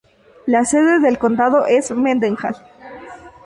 La sede del condado es Mendenhall.